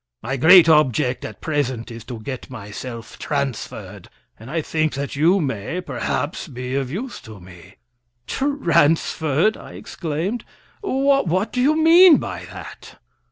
My great object at present is to get myself transferred, and I think that you may, perhaps, be of use to me." "Transferred!" I exclaimed. "What do you mean by that?"